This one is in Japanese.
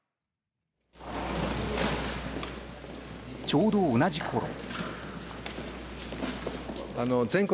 ちょうど同じころ。